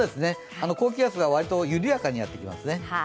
高気圧がわりと緩やかにやってきますね。